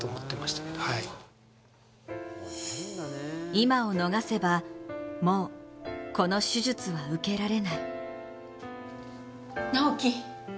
今を逃せばもうこの手術は受けられない。